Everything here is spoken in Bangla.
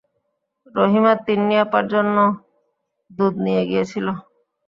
রহিমা তিন্নি আপার জন্যে দুধ নিয়ে গিয়েছিল।